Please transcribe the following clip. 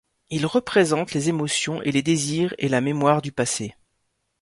Il représente les émotions et les désirs et la mémoire du passé.